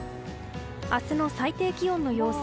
明日の最低気温の様子。